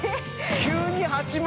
急に８万。